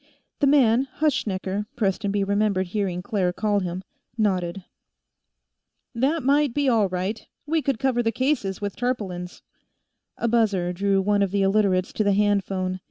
The man Hutschnecker, Prestonby remembered hearing Claire call him nodded. "That might be all right. We could cover the cases with tarpaulins." A buzzer drew one of the Illiterates to a handphone.